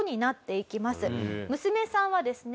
娘さんはですね